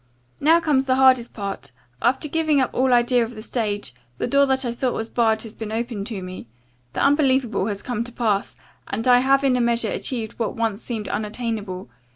Now comes the hardest part. After giving up all idea of the stage, the door that I thought was barred has been opened to me. The unbelievable has come to pass, and I have in a measure achieved what once seemed unattainable.